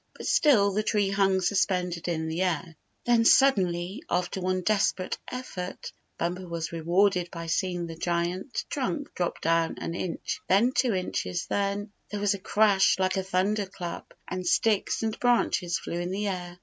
But still the tree hung suspended in the air. Then suddenly, after one desperate effort, Bumper was rewarded by seeing the giant trunk drop down an inch then two inches, then — There was a crash like a thunder clap, and sticks and branches flew in the air.